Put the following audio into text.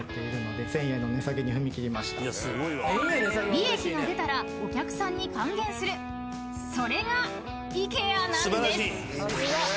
［利益が出たらお客さんに還元するそれがイケアなんです！］